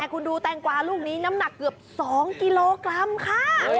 คุณดูแตงกวาลูกนี้น้ำหนักเกือบ๒กิโลกรัมค่ะ